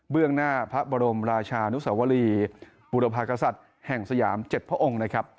หน้าพระบรมราชานุสวรีบุรพากษัตริย์แห่งสยาม๗พระองค์นะครับ